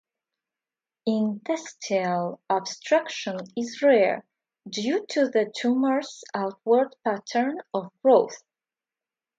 Intestinal obstruction is rare, due to the tumor's outward pattern of growth.